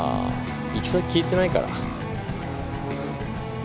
行き先聞いてないから。